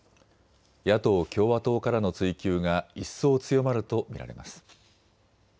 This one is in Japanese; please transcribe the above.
野党・共和党からの追及が一層強まると見られます。